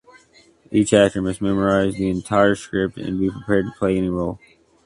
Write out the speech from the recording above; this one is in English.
Each actor must memorize the entire script and be prepared to play any role.